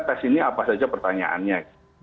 tes ini apa saja pertanyaannya